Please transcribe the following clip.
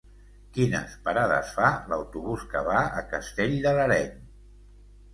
Quines parades fa l'autobús que va a Castell de l'Areny?